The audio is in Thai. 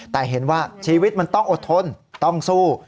แต่เห็นว่าชีวิตมันต้องอดทนต้องสู้